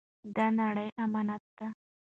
دا نړۍ امانت ده.